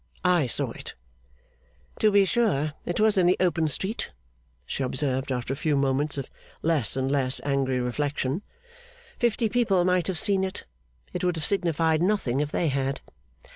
I saw it.' 'To be sure it was in the open street,' she observed, after a few moments of less and less angry reflection. 'Fifty people might have seen it. It would have signified nothing if they had.